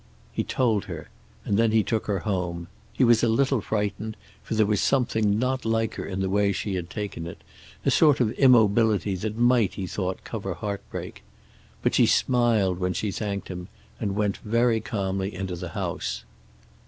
He told her, and then he took her home. He was a little frightened, for there was something not like her in the way she had taken it, a sort of immobility that might, he thought, cover heartbreak. But she smiled when she thanked him, and went very calmly into the house.